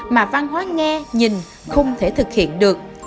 mà văn hóa nghe nhìn không thể thực hiện được